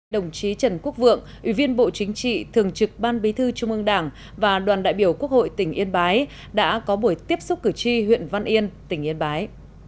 đồng chí trần quốc vượng ủy viên bộ chính trị thường trực ban bí thư trung ương đảng và đoàn đại biểu quốc hội tỉnh yên bái đã có buổi tiếp xúc cử tri huyện văn yên tỉnh yên bái